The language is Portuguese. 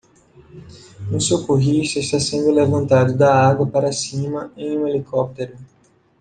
Um socorrista está sendo levantado da água para cima em um helicóptero.